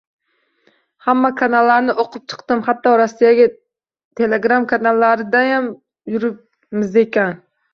Hamma kanallarni o‘qib chiqdim, hatto Rossiya telegram kanallaridayam yuribmizakan.